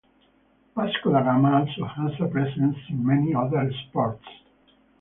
Vasco da Gama also has a presence in many other sports.